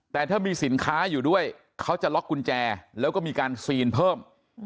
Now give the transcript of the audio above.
แต่ถ้ามีสินค้าอยู่ด้วยเขาจะล็อกกุญแจแล้วก็มีการซีนเพิ่ม